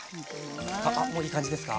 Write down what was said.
あもういい感じですか？